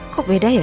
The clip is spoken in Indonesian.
kok beda ya